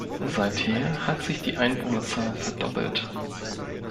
Seither hat sich die Einwohnerzahl verdoppelt.